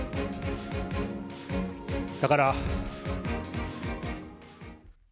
だから。